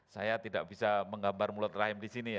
saya tidak bisa menggambar mulut rahim di sini ya